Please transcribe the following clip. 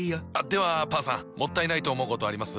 ではパンさんもったいないと思うことあります？